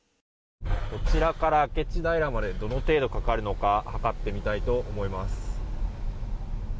こちらから明智平までどの程度かかるか測ってみたいと思います。